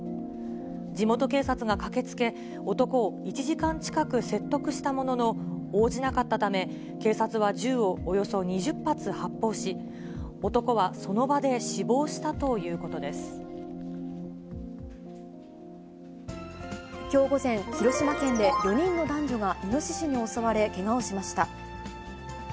地元警察が駆けつけ、男を１時間近く説得したものの応じなかったため、警察は銃をおよそ２０発発砲し、男はその場で死亡したということきょう午前、広島県で４人の男女がイノシシに襲われけがをしました。